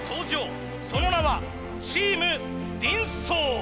その名はチームＤンソー。